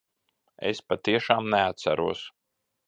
Es patiešām neatceros.